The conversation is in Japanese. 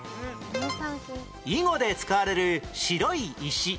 囲碁で使われる白い石